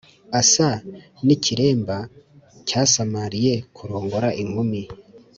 asa n’ikiremba cyasamariye kurongora inkumi.